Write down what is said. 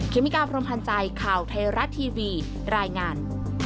เมกาพรมพันธ์ใจข่าวไทยรัฐทีวีรายงาน